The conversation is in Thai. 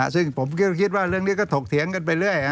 ซึ่งผมก็คิดว่าเรื่องนี้ก็ถกเถียงกันไปเรื่อย